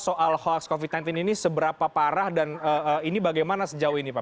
soal hoax covid sembilan belas ini seberapa parah dan ini bagaimana sejauh ini pak